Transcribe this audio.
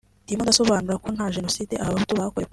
ndimo ndasobanura ko nta genocide abahutu bakorewe